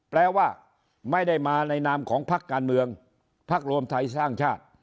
แปลว่าไม่ได้มาในนามของพักการเมืองพักรวมไทยสร้างชาติ